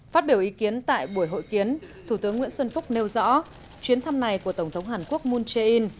phát biểu ý kiến tại buổi hội kiến thủ tướng nguyễn xuân phúc nêu rõ chuyến thăm này của tổng thống hàn quốc moon jae in